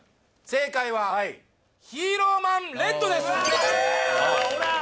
正解はヒーローマンレッドですほら！